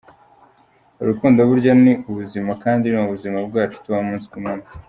Urukundo burya ni ubuzima kandi ni ubuzima bwacu tubamo umunsi ku munsi.